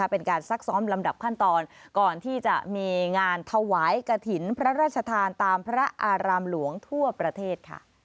ซักซ้อมลำดับขั้นตอนก่อนที่จะมีงานถวายกระถิ่นพระราชทานตามพระอารามหลวงทั่วประเทศ